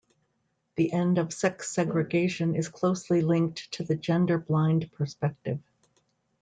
The end of sex segregation is closely linked to the gender blind perspective.